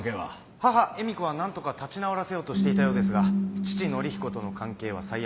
母恵美子はなんとか立ち直らせようとしていたようですが父憲彦との関係は最悪。